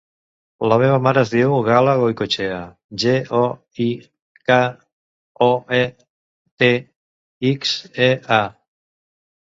La meva mare es diu Gala Goikoetxea: ge, o, i, ca, o, e, te, ics, e, a.